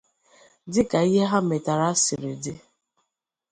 dịka ihe ha metara siri dị.